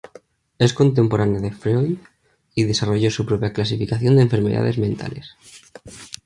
Es contemporánea de Freud y desarrolló su propia clasificación de enfermedades mentales.